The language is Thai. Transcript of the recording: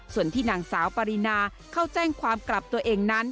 ส่วนที่นางสาวปรินาเข้าแจ้งความกลับตัวเองนั้น